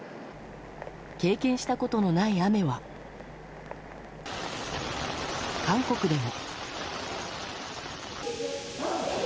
経験したことのない雨は韓国でも。